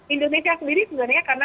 indonesia sendiri sebenarnya karena